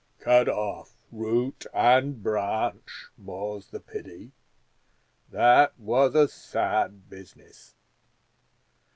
Cut off root and branch more's the pity. That was a sad business.